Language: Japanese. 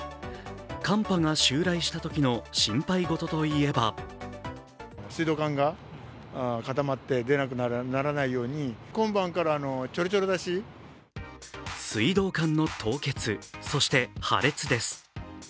寒波が襲来したときの心配ごとといえば水道管の凍結、そして破裂です。